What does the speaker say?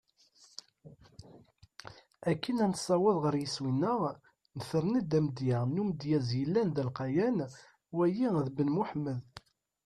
Akken ad nessaweḍ ɣer yiswi-neɣ, nefren-d amedya n umedyaz yellan d alqayan: Wagi d Ben Muḥemmed.